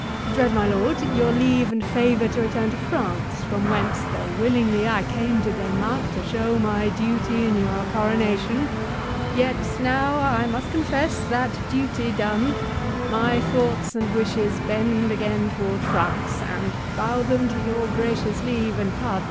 Dread my lord, Your leave and favour to return to France, From whence though willingly I came to Denmark To show my duty in your coronation; Yet now I must confess, that duty done, My thoughts and wishes bend again toward France, And bow them to your gracious leave and pardon.